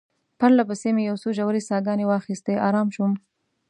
پرله پسې مې یو څو ژورې ساه ګانې واخیستې، آرام شوم.